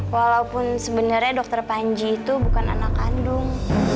walaupun sebenarnya dokter panji itu bukan anak kandung